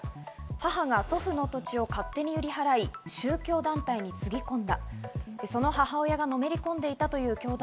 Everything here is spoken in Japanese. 母が祖父の土地を勝手に売り払い、宗教団体につぎ込んだ。